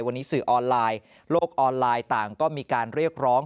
วันนี้สื่อออนไลน์โลกออนไลน์ต่างก็มีการเรียกร้อง